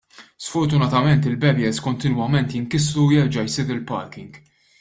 Sfortunatament il-barriers kontinwament jinkissru u jerġa' jsir il-parking.